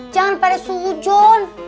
jangan pada sujud